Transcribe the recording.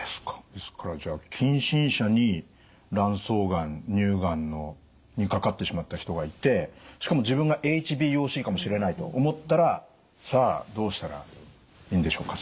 ですからじゃあ近親者に卵巣がん乳がんにかかってしまった人がいてしかも自分がＨＢＯＣかもしれないと思ったらさあどうしたらいいんでしょうか？